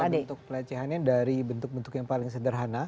bentuk pelecehannya dari bentuk bentuk yang paling sederhana